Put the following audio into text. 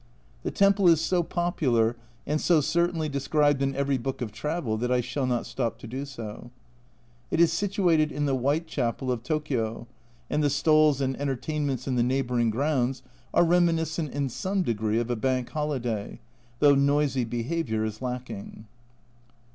The temple is so popular and so certainly described in every book of travel, that I shall not stop to do so. It is situated in the Whitechapel of Tokio, and the stalls and entertainments in the neighbouring grounds are reminiscent in some degree of a Bank Holiday though noisy behaviour is lacking.